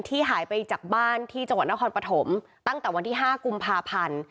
หายไปจากบ้านที่จังหวัดนครปฐมตั้งแต่วันที่๕กุมภาพันธ์